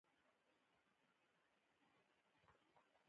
جاوید موسیقي نرمه او اغېزناکه ګڼي